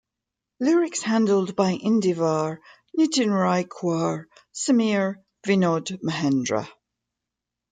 Lyrics handled by Indeevar, Nitin Raikwar, Sameer, Vinod Mahendra.